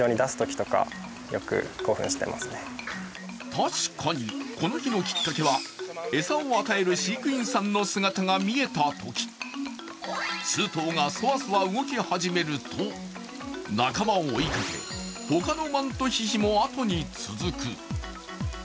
確かに、この日のきっかけは餌を与える飼育員さんの姿が見えたとき数頭がそわそわ動き始めると、仲間を追い、他のマントヒヒも後に続く。